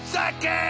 ん？